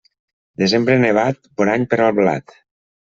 Desembre nevat, bon any per al blat.